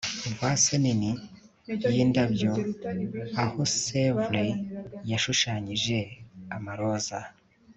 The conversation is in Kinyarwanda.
Vase nini yindabyo aho Sèvre yashushanyije amaroza